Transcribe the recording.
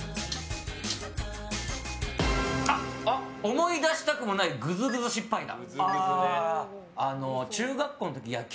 思い出したくもないグズグズ失敗談。